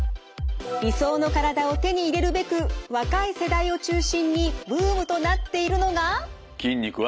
理想の体を手に入れるべく若い世代を中心にブームとなっているのが。